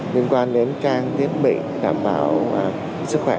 liên quan đến trang thiết bị đảm bảo sức khỏe